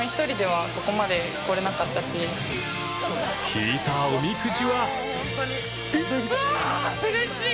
引いたおみくじは